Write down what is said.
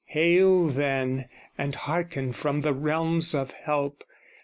Hail then, and hearken from the realms of help!